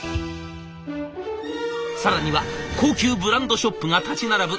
更には高級ブランドショップが立ち並ぶ